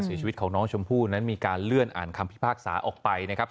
เสียชีวิตของน้องชมพู่นั้นมีการเลื่อนอ่านคำพิพากษาออกไปนะครับ